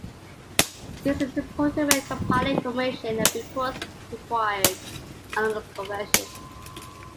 This is important when compiling information and reports required under the Convention.